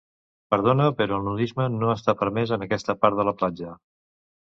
Perdona, però el nudisme no està permès en aquesta part de la platja.